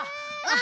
あ！